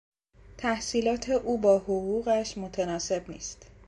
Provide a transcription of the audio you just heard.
تحصیلات او با حقوقش متناسب نیست.